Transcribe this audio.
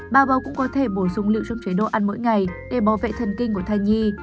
bao bầu cũng có thể bổ sung lựu trong chế độ ăn mỗi ngày để bảo vệ thần kinh của thai nhi